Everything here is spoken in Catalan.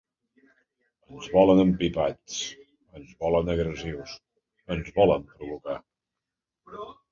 Ens volen empipats, ens volen agressius, ens volen provocar.